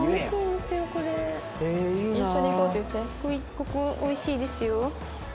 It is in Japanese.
ここ美味しいですよ。